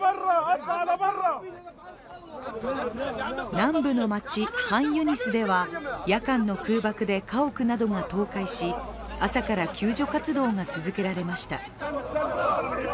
南部の街、ハンユニスでは夜間の空爆で、家屋などが倒壊し朝から救助活動が続けられました。